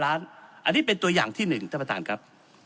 อันนี้เป็นตัวอย่างที่๑ท่านประธานครับ